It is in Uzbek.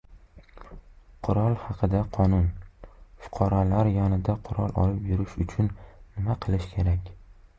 Qurol haqidagi qonun: fuqarolar yonida qurol olib yurish uchun nima qilishi kerak?